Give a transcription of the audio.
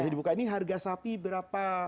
ini harga sapi berapa